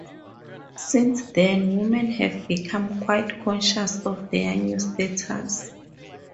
Since then women have become quite conscious of their new status.